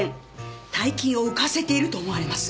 大金を浮かせていると思われます。